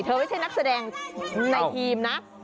ไม่ใช่นักแสดงในทีมนะ